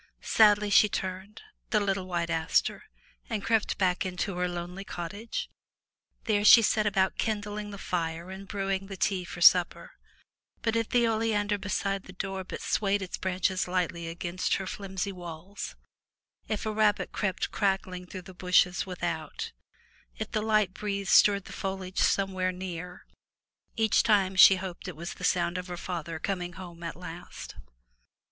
Sadly she turned — the little White Aster — and crept back into her lonely cottage. Then she set about kindling the fire and brewing the tea for supper, but if the oleander beside the dooi but swayed its branches lightly against her flimsy walls, if a rabbit leapt crackling through the bushes without, if the light breeze stirred the foliage somewhere near, each time she hoped it was sound of her father coming home at last.